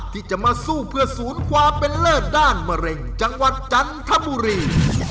ที่จะมาสู้เพื่อศูนย์ความเป็นเลิศด้านมะเร็งจังหวัดจันทบุรี